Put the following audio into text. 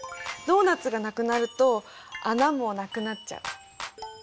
ドーナツがなくなると穴もなくなっちゃう。